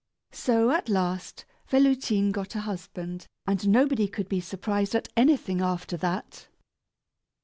So at last Véloutine got a husband, and nobody could be surprised at anything after that.